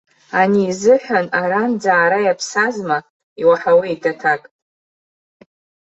Ани изыҳәан аранӡа аара иаԥсазма, иуаҳауеит аҭак.